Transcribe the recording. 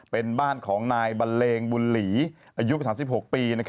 เป็นบ้านของนายบันเลงบุญหลีอายุ๓๖ปี